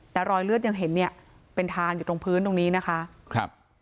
แต่รอยเลือดยังเห็นเนี่ยเป็นทางอยู่ตรงพื้นตรงนี้นะคะครับ